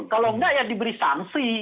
kalau enggak ya diberi sanksi